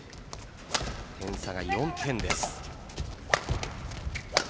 点差が４点です。